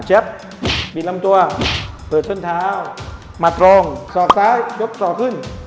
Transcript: แช๊ปบิดลำตัวเปิดเส้นเท้าหมัดลงสอบซ้ายยกสอบขึ้น